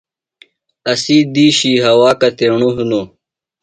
اسی دِیشی ہوا کتیݨُوۡ ہِنوۡ؟